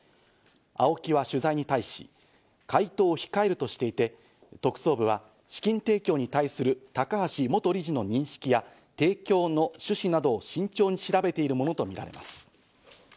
ＡＯＫＩは取材に対し、回答を控えるとしていて、特捜部は資金提供に対する高橋元理事の認識や提供の趣旨などを慎重に調べているものとみられます。